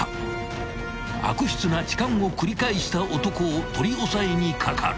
［悪質な痴漢を繰り返した男を取り押さえにかかる］